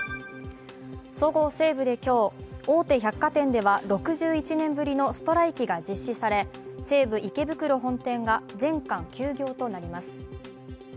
そごう・西武で今日、大手百貨店では６１年ぶりのストライキが実施され西武池袋本店が全館休業となります。